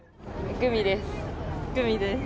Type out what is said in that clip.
グミです。